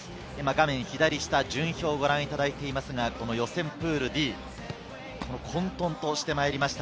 画面左下、順位表をご覧いただいています、予選プールＤ、混沌としてまいりました。